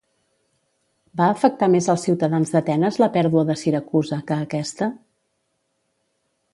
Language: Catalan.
Va afectar més als ciutadans d'Atenes la pèrdua de Siracusa que aquesta?